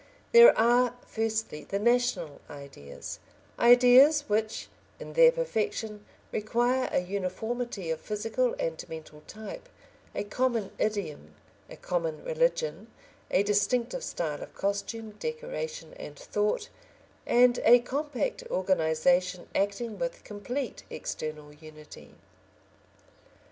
There are, firstly, the national ideas, ideas which, in their perfection, require a uniformity of physical and mental type, a common idiom, a common religion, a distinctive style of costume, decoration, and thought, and a compact organisation acting with complete external unity.